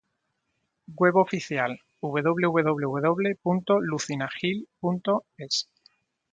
Web oficial: www.lucinagil.es